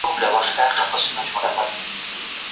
ظلم په اسلامي شریعت کې ولي حرام دی؟